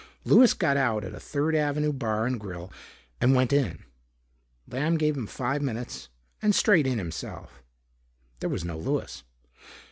Louis got out at a Third Avenue bar and grill and went in. Lamb gave him five minutes and strayed in himself. There was no Louis.